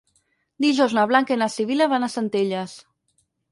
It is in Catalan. Dijous na Blanca i na Sibil·la van a Centelles.